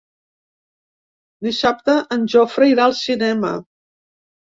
Dissabte en Jofre irà al cinema.